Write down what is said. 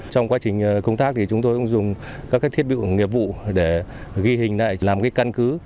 trong quá trình công tác thì chúng tôi cũng dùng các thiết bị nghiệp vụ để ghi hình lại làm cái căn cứ